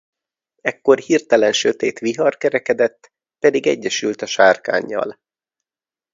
Ekkor hirtelen sötét vihar kerekedett pedig egyesült a sárkánnyal.